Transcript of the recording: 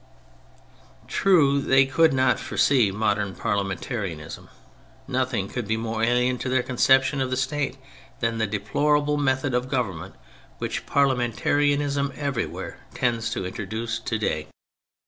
True, they could not foresee modem parlia mentarism. Nothing could be more alien to their conception of the State than the de plorable method of government which parlia mentarism everywhere tends to introduce to day.